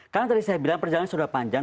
karena tadi saya bilang perjalanan sudah panjang